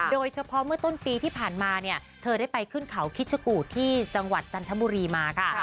โดยเฉพาะเมื่อต้นปีที่ผ่านมาเนี่ยเธอได้ไปขึ้นเขาคิชกูที่จังหวัดจันทบุรีมาค่ะ